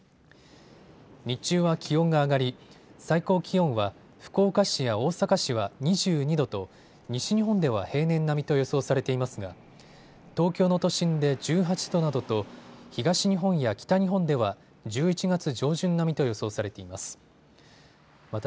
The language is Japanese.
日中は気温が上がり、最高気温は福岡市や大阪市は２２度と西日本では平年並みと予想されていますが東京の都心で１８度などと東日本や北日本では１１月上旬並みと予想されています。